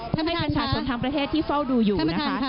ให้พลังประชาชนทั้งทั้งประเทศที่ส้อดูอยู่นะคะ